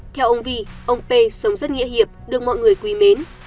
theo ông vi ông p sống rất nghĩa hiệp được mọi người quý mến